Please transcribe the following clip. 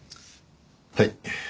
はい。